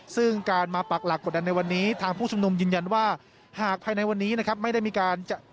ซึ่งการมาปักหลักกดดันในวันนี้ทางผู้ชุมนุมยืนยันว่าหากภายในวันนี้นะครับไม่ได้มีการจะ